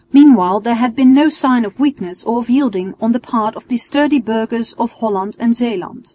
Meanwhile there had been no signs of weakness or of yielding on the part of the sturdy burghers of Holland and Zeeland.